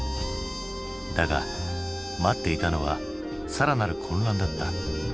だが待っていたのは更なる混乱だった。